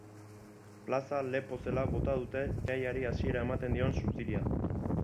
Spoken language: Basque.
Plaza lepo zela bota dute jaiari hasiera ematen dion suziria.